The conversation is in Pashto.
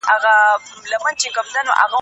هغه کوټه روښانه وه.